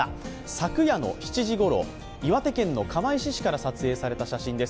昨夜の７時ごろ岩手県の釜石市で撮影された写真です。